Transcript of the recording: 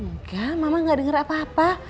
enggak mama gak denger apa apa